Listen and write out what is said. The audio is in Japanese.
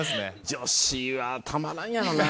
女子はたまらんやろな。